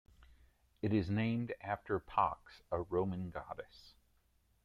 It is named after Pax, a Roman goddess.